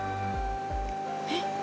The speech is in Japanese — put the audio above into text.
えっ？